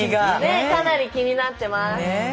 ねえかなり気になってます。